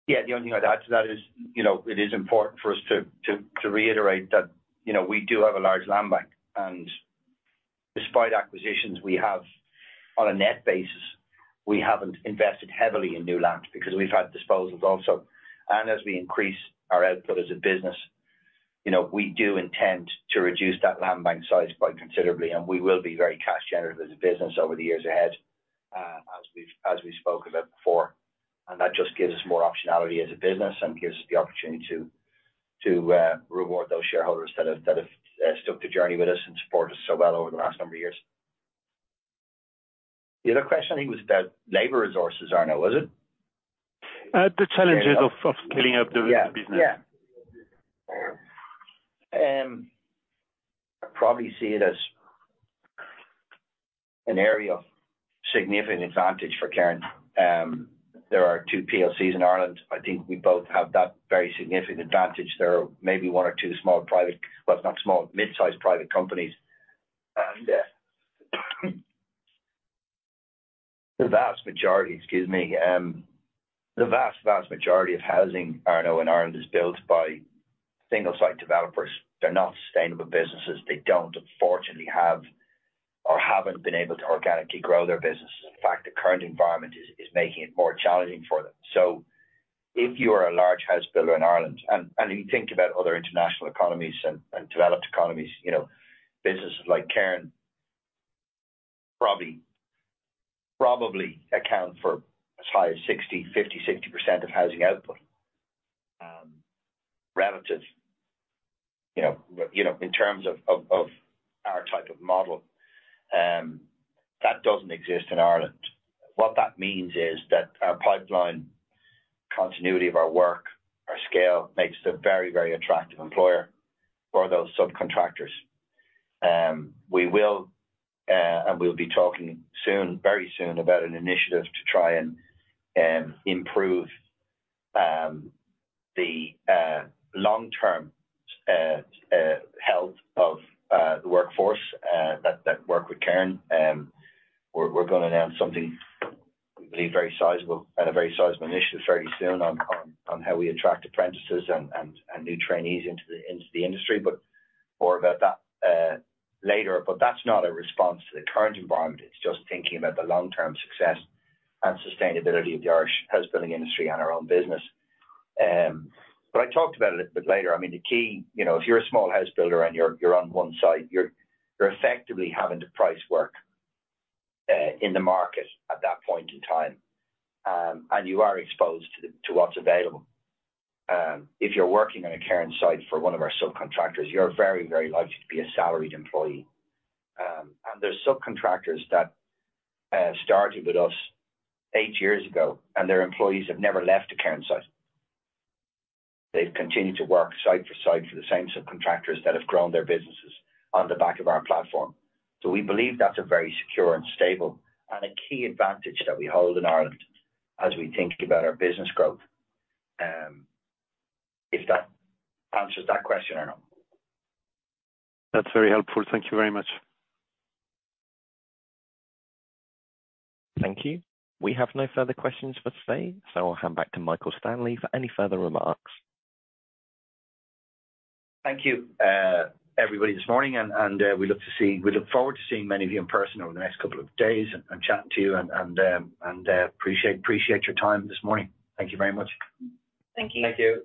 Yeah. The only thing I'd add to that is, you know, it is important for us to reiterate that, you know, we do have a large land bank, and despite acquisitions we have on a net basis, we haven't invested heavily in new lands because we've had disposals also. And as we increase our output as a business, you know, we do intend to reduce that land bank size by considerably, and we will be very cash generative as a business over the years ahead, as we've spoken about before. And that just gives us more optionality as a business and gives us the opportunity to reward those shareholders that have stuck the journey with us and supported us so well over the last number of years. The other question, I think, was about labor resources, Arnaud, was it? The challenges of scaling up the business. Yeah. Yeah. I probably see it as an area of significant advantage for Cairn. There are two PLCs in Ireland. I think we both have that very significant advantage. There are maybe one or two small private—well, not small, mid-sized private companies. And the vast majority, excuse me, the vast, vast majority of housing, Arnaud, in Ireland is built by single-site developers. They're not sustainable businesses. They don't fortunately have or haven't been able to organically grow their business. In fact, the current environment is making it more challenging for them. So if you are a large house builder in Ireland, and you think about other international economies and developed economies, you know, businesses like Cairn probably, probably account for as high as 60, 50, 60% of housing output.... but it's, you know, in terms of our type of model, that doesn't exist in Ireland. What that means is that our pipeline, continuity of our work, our scale, makes us a very, very attractive employer for those subcontractors. We will, and we'll be talking soon, very soon, about an initiative to try and improve the long-term health of the workforce that work with Cairn. We're going to announce something we believe very sizable and a very sizable initiative very soon on how we attract apprentices and new trainees into the industry, but more about that later. But that's not a response to the current environment. It's just thinking about the long-term success and sustainability of the Irish house building industry and our own business. But I talked about it a little bit later. I mean, the key, you know, if you're a small house builder and you're on one site, you're effectively having to price work in the market at that point in time. And you are exposed to what's available. If you're working on a Cairn site for one of our subcontractors, you're very, very likely to be a salaried employee. And there's subcontractors that started with us eight years ago, and their employees have never left a Cairn site. They've continued to work site to site for the same subcontractors that have grown their businesses on the back of our platform. So we believe that's a very secure and stable, and a key advantage that we hold in Ireland as we think about our business growth. If that answers that question or no? That's very helpful. Thank you very much. Thank you. We have no further questions for today, so I'll hand back to Michael Stanley for any further remarks. Thank you, everybody, this morning, and we look forward to seeing many of you in person over the next couple of days and chatting to you and appreciate your time this morning. Thank you very much. Thank you. Thank you.